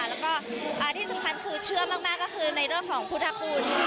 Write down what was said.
แล้วก็ที่สำคัญคือเชื่อมากก็คือในเรื่องของพุทธคุณ